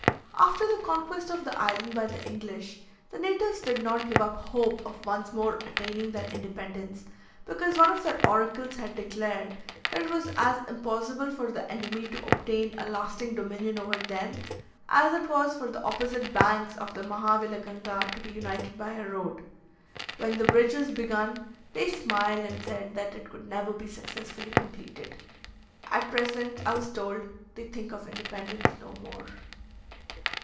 After the conquest of the island by the English, the natives did not give up the hope of once more attaining their independence, because one of their oracles had declared that it was as impossible for the enemy to obtain a lasting dominion over them, as it was for the opposite banks of the Mahavilaganga to be united by a road. When the bridge was begun, they smiled, and said that it could never be successfully completed. At present, I was told, they think of independence no more.